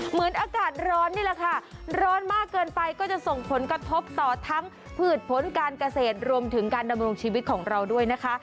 เหมือนอากาศร้อนนี่แหละค่ะร้อนมากเกินไปก็จะส่งผลกระทบต่อทั้งผืดผลการเกษตรรวมถึงการดำรงชีวิตของเราด้วยนะคะ